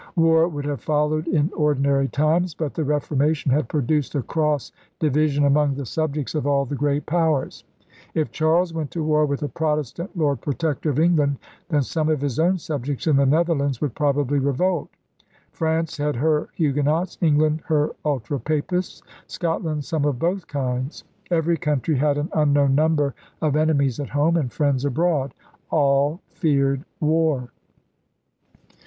War would have followed in ordinary times. But the Refor mation had produced a cross division among the subjects of all the Great Powers. If Charles went to war with a Protestant Lord Protector of England then some of his own subjects in the Netherlands would probably revolt. France had her Huguenots; England her ultra Papists; Scot land some of both kinds. Every country had an unknown number of enemies at home and friends abroad. All feared war.